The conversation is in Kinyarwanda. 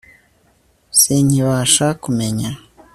sinkibasha kumenya